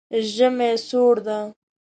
ژمی سوړ ده